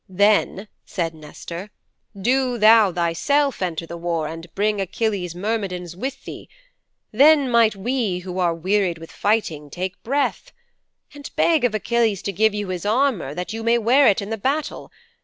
"' '"Then," said Nestor, "do thou thyself enter the war and bring Achilles' Myrmidons with thee. Then might we who are wearied with fighting take breath. And beg of Achilles to give you his armour that you may wear it in the battle.